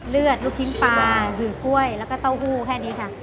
ลูกชิ้นปลาหือกล้วยแล้วก็เต้าหู้แค่นี้ค่ะ